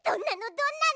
どんなの？